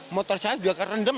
motor saya sudah terendam